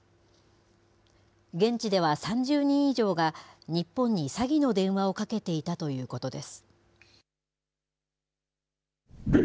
現地では３０人以上が、日本に詐欺の電話をかけていたということです。